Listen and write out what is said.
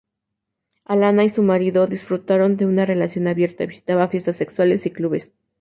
Alana y su marido disfrutaron de una relación abierta, visitaban fiestas sexuales y clubes.